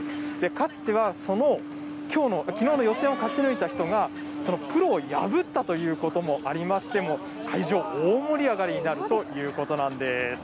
かつては、そのきのうの予選を勝ち抜いた人が、プロを破ったということもありまして、会場、大盛り上がりになるということなんです。